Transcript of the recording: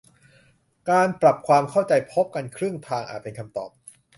การปรับความเข้าใจพบกันครึ่งทางอาจเป็นคำตอบ